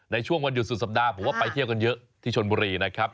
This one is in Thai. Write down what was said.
ในช่วงวันหยุดสุดสัปดาห์ผมว่าไปเที่ยวกันเยอะที่ชนบุรีนะครับ